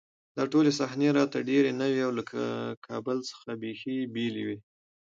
دا ټولې صحنې راته ډېرې نوې او له کابل څخه بېخي بېلې وې